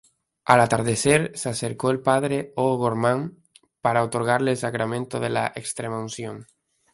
Al atardecer se acercó el padre O'Gorman para otorgarle el sacramento de la extremaunción.